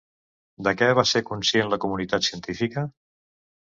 De què va ser conscient la comunitat científica?